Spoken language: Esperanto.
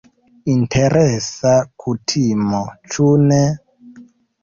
Interesa kutimo, ĉu ne?